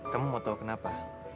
kamu mau tau kenapa